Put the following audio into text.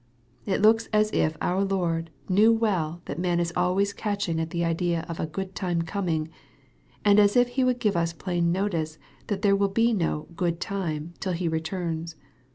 It looks as if our Lord knew well that man is always catching at the idea of a " good time coming," and as if He would give us plain notice that there will be no " good time" till He returns.